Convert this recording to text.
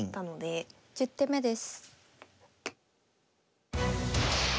１０手目です。